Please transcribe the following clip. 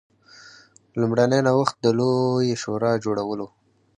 لومړنی نوښت د لویې شورا جوړول و.